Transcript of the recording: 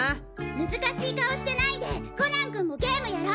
難しい顔してないでコナン君もゲームやろ！